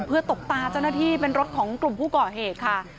เพื่อตบตาเจ้าหน้าที่เป็นรถของกลุ่มผู้ก่อเหตุค่ะ